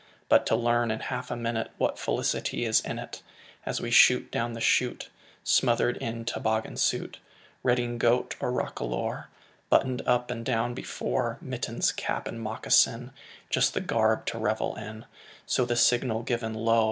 But to learn in half a minute What felicity is in it, As we shoot down the chute, Smothered in toboggan suit, Redingote or roquelaure, Buttoned up (and down) before, Mittens, cap, and moccasin, Just the garb to revel in; So, the signal given, lo!